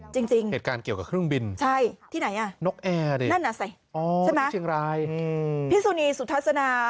จริงนะครับนี่ล่ะนี่เชียงรายพี่สุนีสุธาษณา